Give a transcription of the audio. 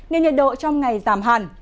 nên nhiệt độ trong ngày giảm hẳn